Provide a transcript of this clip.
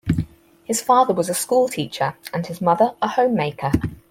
His father was a school teacher and his mother a homemaker.